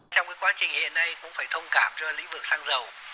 trong quá trình hiện nay cũng phải thông cảm cho lĩnh vực sản phẩm